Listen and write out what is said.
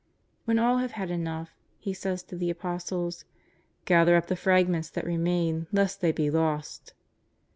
When all have had enough. He says to the Apostles: " Gather up the fragments that remain lest they be lost.''